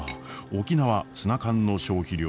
沖縄ツナ缶の消費量